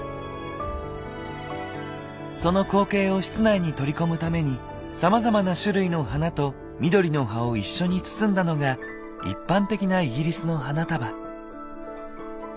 その光景を室内に取り込むためにさまざまな種類の花と緑の葉を一緒に包んだのが一般的なイギリスの花束。